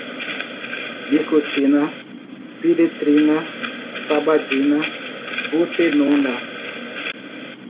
nicotina, piretrina, sabadina, rotenona